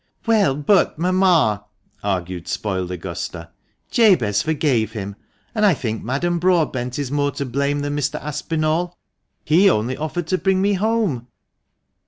" Well, but, mamma," argued spoiled Augusta, " Jabez forgave him ; and I think Madame Broadbent is more to blame than Mr. Aspinall — he only offered to bring me home."